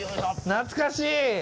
懐かしい。